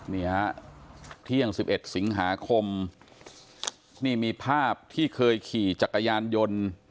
นี่ฮะเที่ยง๑๑สิงหาคมนี่มีภาพที่เคยขี่จักรยานยนต์